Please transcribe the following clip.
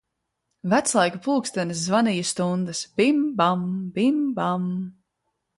Veclaiku pulkstenis zvanīja stundas, bim bam, bim, bam!